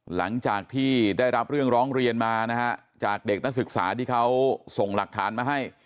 หลังจากที่ได้รับเรื่องร้องเรียนมานะฮะจากเด็กนักศึกษาที่เขาส่งหลักฐานมาให้